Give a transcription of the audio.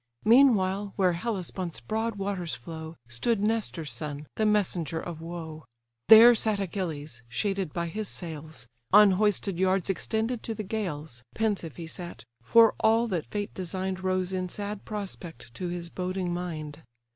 Meanwhile, where Hellespont's broad waters flow, Stood Nestor's son, the messenger of woe: There sat Achilles, shaded by his sails, On hoisted yards extended to the gales; Pensive he sat; for all that fate design'd Rose in sad prospect to his boding mind.